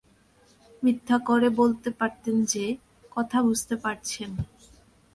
মিথ্যা করে বলতে পারতেন যে, কথা বুঝতে পারছেন।